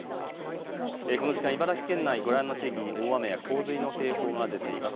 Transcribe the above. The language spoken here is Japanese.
この時間、茨城県内、ご覧の地域に大雨や洪水の警報が出ています。